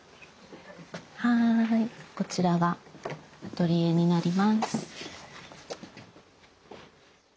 はいこちらがアトリエになります。